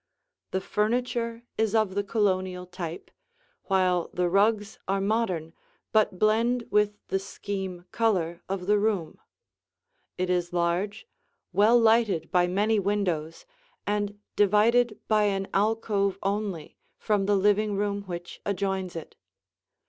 The furniture is of the Colonial type, while the rugs are modern but blend with the scheme color of the room. It is large, well lighted by many windows, and divided by an alcove only from the living room which adjoins it.